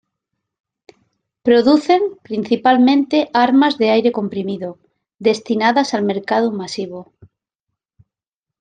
Producen principalmente armas de aire comprimido destinadas al mercado masivo.